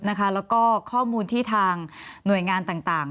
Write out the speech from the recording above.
แล้วก็ข้อมูลที่ทางหน่วยงานต่าง